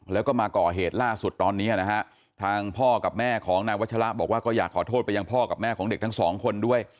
แล้วก็มาก่อเหตุล่าสุดตอนนี้นะฮะทางพ่อกับแม่ของนายวัชละบอกว่าก็อยากขอโทษไปยังพ่อกับแม่ของเด็กทั้งสองคนด้วย